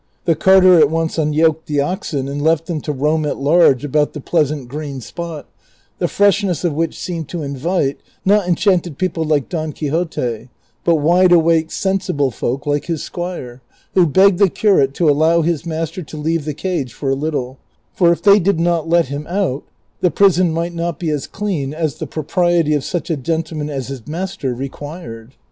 The carter at once imyoked the oxen and left them to roam at hu'ge about the pleasant green spot, the fresh ness of which seemed to invite, not enchanted people like Don Quixote, but wide aAvake, sensible folk like his squire, who begged the curate to allow his master to leave the cage for a little ; for if tliey did not let him out, the prison might not be as clean as the propriety of such a gentleman as his master re quired.